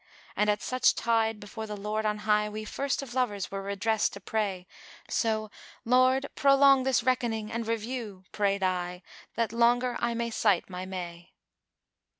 And at such tide before the Lord on High * We first of lovers were redress to pray: So 'Lord, prolong this reckoning and review' * (Prayed I) 'that longer I may sight my may.'"